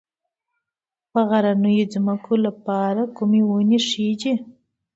د غرنیو ځمکو لپاره کومې ونې ښې دي؟